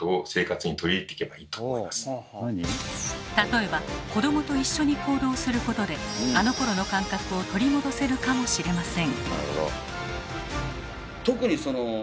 例えば子どもと一緒に行動することであのころの感覚を取り戻せるかもしれません。